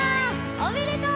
おめでとう！